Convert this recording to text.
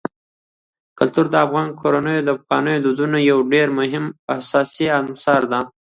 کلتور د افغان کورنیو د پخوانیو دودونو یو ډېر مهم او اساسي عنصر دی.